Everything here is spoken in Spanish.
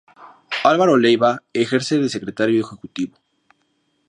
Álvaro Leiva ejerce de secretario ejecutivo.